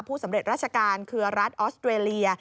สำเร็จราชการเครือรัฐออสเตรเลีย